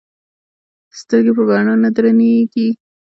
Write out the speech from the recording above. سترګې په بڼو نه درنې ايږي